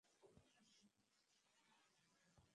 থামো, রাজ।